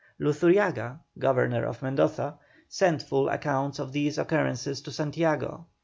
Luzuriaga, Governor of Mendoza, sent full accounts of these occurrences to Santiago.